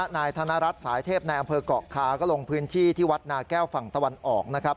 นายธนรัฐสายเทพในอำเภอกเกาะคาก็ลงพื้นที่ที่วัดนาแก้วฝั่งตะวันออกนะครับ